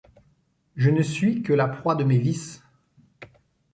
Je ne suis que la proie de mes vices !